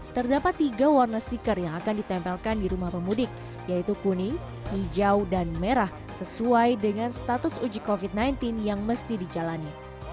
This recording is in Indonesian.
terdapat tiga warna stiker yang akan ditempelkan di rumah pemudik yaitu kuning hijau dan merah sesuai dengan status uji covid sembilan belas yang mesti dijalani